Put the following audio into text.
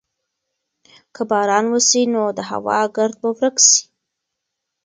که باران وسي نو د هوا ګرد به ورک سي.